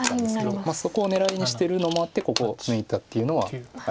そこを狙いにしてるのもあってここを抜いたっていうのはあります。